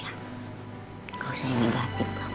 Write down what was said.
gak usah yang negatif lah